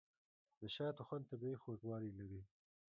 د شاتو خوند طبیعي خوږوالی لري.